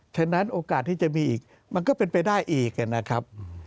ฉะนั้นโอกาสที่จะมีอีกมันก็เป็นไปได้อีกนะครับ